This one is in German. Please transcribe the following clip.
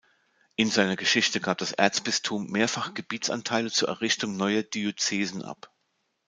In seiner Geschichte gab das Erzbistum mehrfach Gebietsanteile zur Errichtung neuer Diözesen ab.